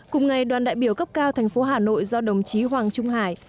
cùng ngày đoàn đại biểu cấp cao thành phố hà nội do đồng chí hoàng trung hải